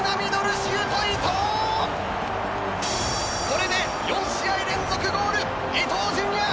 これで４試合連続ゴール伊東純也。